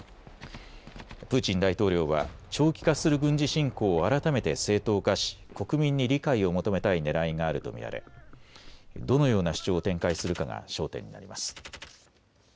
プーチン大統領は長期化する軍事侵攻を改めて正当化し国民に理解を求めたいねらいがあると見られ、どのような主張を展開するかが焦点になります。